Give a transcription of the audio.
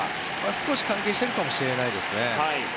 少し関係しているかもしれないですね。